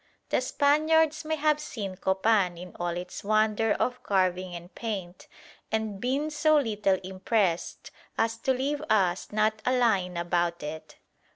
The Spaniards may have seen Copan in all its wonder of carving and paint, and been so little impressed as to leave us not a line about it.